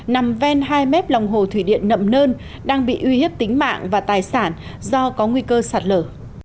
nằm ven hai mét lòng hồ thủy điện nậm nơn đang bị uy hiếp tính mạng và tài sản do có nguy cơ sạt lở